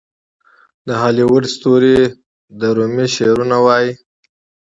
د هالیووډ ستوري د رومي شعرونه وايي.